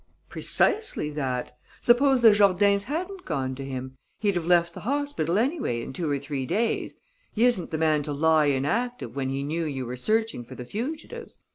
"Precisely that. Suppose the Jourdains hadn't gone to him; he'd have left the hospital anyway in two or three days he isn't the man to lie inactive when he knew you were searching for the fugitives.